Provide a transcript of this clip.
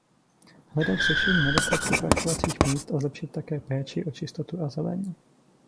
Hledat řešení nedostatku parkovacích míst a zlepšit také péči o čistotu a zeleň.